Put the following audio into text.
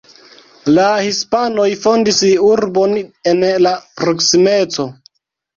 La hispanoj fondis urbon en la proksimeco.